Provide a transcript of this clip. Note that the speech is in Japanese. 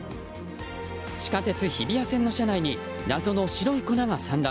地下鉄日比谷線の車内に謎の白い粉が散乱。